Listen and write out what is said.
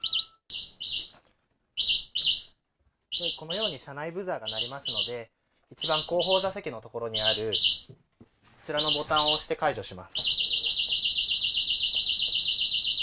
このように車内ブザーが鳴りますので、一番後方座席の所にある、こちらのボタンを押して解除します。